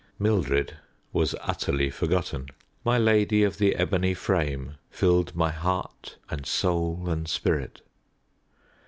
Mildred was utterly forgotten: my lady of the ebony frame filled my heart and soul and spirit.